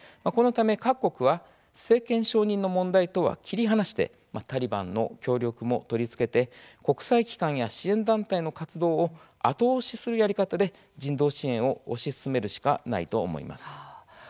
このため各国は政権承認の問題とは切り離してタリバンの協力も取り付けて国際機関や支援団体の活動を後押しするやり方で人道支援を推し進めるしかないと思います。